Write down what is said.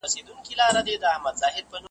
ستا د حُورو د دنیا نه٬ دې خوا نوره دنیا هم شته